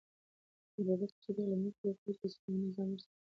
ابوبکر صدیق لومړی خلیفه و چې د اسلامي نظام بنسټ یې پیاوړی کړ.